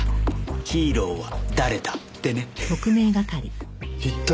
ヒーローは誰だ？ってね。